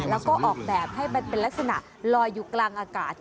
แล้วก็ออกแบบให้มันเป็นลักษณะลอยอยู่กลางอากาศ